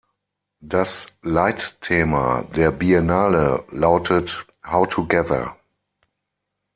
Das Leitthema der Biennale lautet: „How to gather?